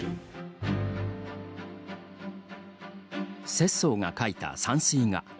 拙宗が描いた山水画。